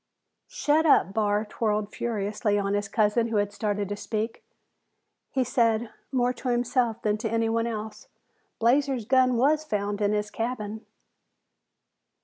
"Shut up!" Barr whirled furiously on his cousin who had started to speak. He said, more to himself than to anyone else, "Blazer's guns was found in his cabin."